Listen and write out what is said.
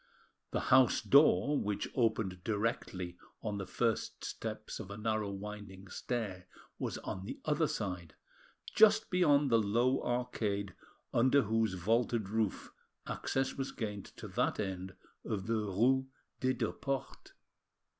The house door, which opened directly on the first steps of a narrow winding stair, was on the other side, just beyond the low arcade under whose vaulted roof access was gained to that end of the rue des Deux Portes.